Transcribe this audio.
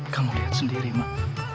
kamu lihat sendiri mak